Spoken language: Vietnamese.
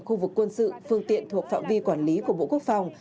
khu vực quân sự phương tiện thuộc phạm vi quản lý của bộ quốc phòng